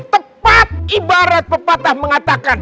tepat ibarat pepatah mengatakan